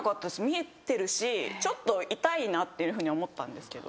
見えてるしちょっと痛いなっていうふうに思ったんですけど。